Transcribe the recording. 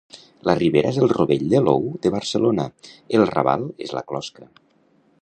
La Ribera és el rovell de l'ou de Barcelona; el Raval és la closca.